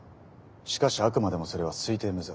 しかしあくまでもそれは推定無罪。